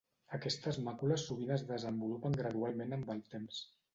Aquestes màcules sovint es desenvolupen gradualment amb el temps.